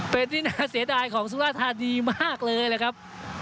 เป็นที่น่าเสียดายของสุราธานีมากเลยนะครับ